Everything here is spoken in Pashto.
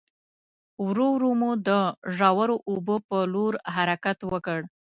ورو ورو مو د ژورو اوبو په لور حرکت وکړ.